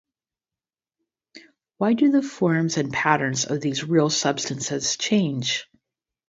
Why do the forms and patterns of these real substances change?